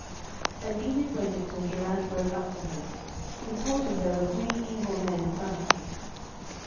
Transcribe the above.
And Enid waited till Geraint rode up to her, and told him there were three evil men in front of them.